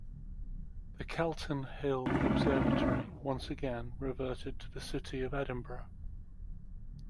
The Calton Hill Observatory, once again, reverted to the City of Edinburgh.